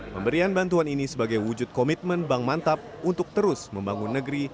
pemberian bantuan ini sebagai wujud komitmen bank mantap untuk terus membangun negeri